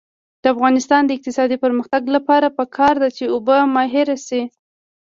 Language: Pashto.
د افغانستان د اقتصادي پرمختګ لپاره پکار ده چې اوبه مهار شي.